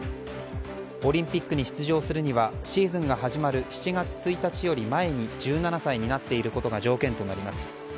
オリンピックに出場するにはシーズンが始まる７月１日より前に１７歳になっていることが条件となります。